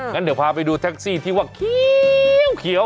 งั้นเดี๋ยวพาไปดูแท็กซี่ที่ว่าเขียว